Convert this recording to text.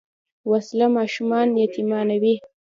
وسله ماشومان یتیمانوي